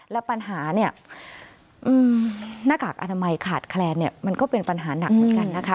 และปัญหาเนี่ยหน้ากากอนามัยขาดแคลนเนี่ยมันก็เป็นปัญหาหนักเหมือนกันนะคะ